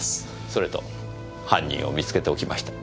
それと犯人を見つけておきました。